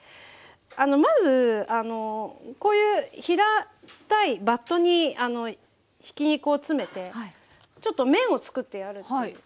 まずこういう平たいバットにひき肉を詰めてちょっと面を作ってやるという。